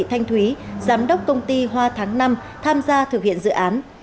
lê thị thanh thúy giám đốc công ty hoa tháng năm tham gia thực hiện dự án